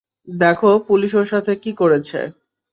দেখ পুলিশ ওর সাথে কি করেছে।